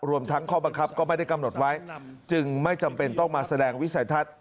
รวมทั้งข้อบังคับก็ไม่ได้กำหนดไว้จึงไม่จำเป็นต้องมาแสดงวิสัยทัศน์